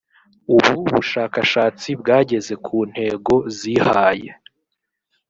ubu bushakashatsi bwageze ku ntego zihaye